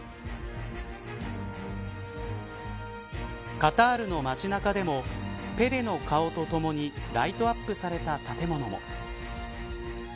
カタールの街中でもペレの顔とともにライトアップされた建物も。